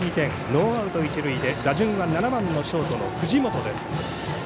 ノーアウト一塁で打順は７番のショートの藤本です。